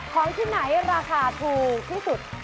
ของที่ไหนราคาถูกที่สุด